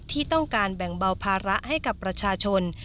ที่ต้องการแบ่งเบาภาระให้กับประชาชน